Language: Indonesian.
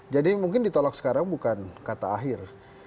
jadi mungkin ditolak sekarang bukan kata akhir